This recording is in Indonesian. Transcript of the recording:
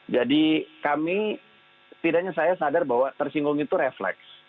jadi kami tidaknya saya sadar bahwa tersinggung itu refleks